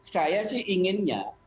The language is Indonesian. saya sih inginnya